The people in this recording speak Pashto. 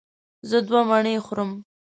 زه دوه مڼې خورم.